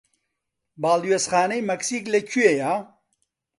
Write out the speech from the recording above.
باڵیۆزخانەی مەکسیک لەکوێیە؟